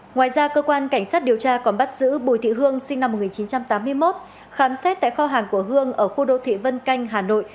ngoài ra cơ quan cảnh sát điều tra còn bắt giữ bùi thị hương sinh năm một nghìn chín trăm tám mươi một khám xét tại kho hàng của hương ở khu đô thị vân canh hà nội